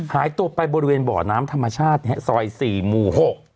หายตัวไปบริเวณบ่อน้ำธรรมชาติซอย๔หมู่๖